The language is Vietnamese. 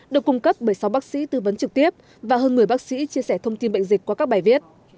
được cung cấp bởi sáu bác sĩ tư vấn trực tiếp và hơn một mươi bác sĩ chia sẻ thông tin bệnh dịch qua các bài viết